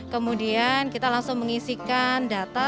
kemudian kita langsung mengisikan data